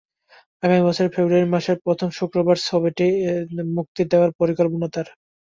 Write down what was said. আগামী বছরের ফেব্রুয়ারি মাসের প্রথম শুক্রবার ছবিটি মুক্তি দেওয়ার পরিকল্পনা তাঁর।